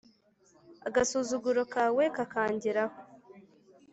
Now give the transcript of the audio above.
agasuzuguro kawe kakangeraho;